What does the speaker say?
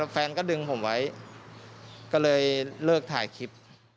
แฟนก็ดึงผมไว้ก็เลยเลิกถ่ายคลิป